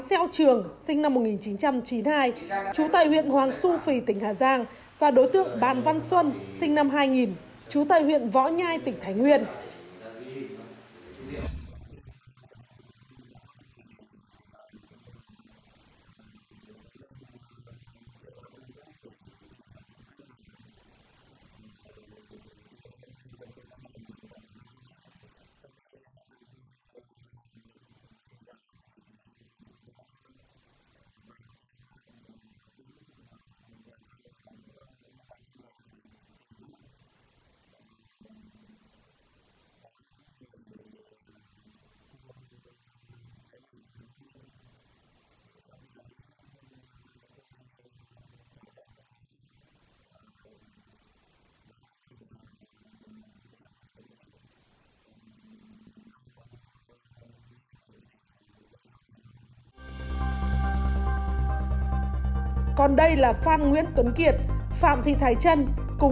xin chào và hẹn gặp lại trong các video tiếp theo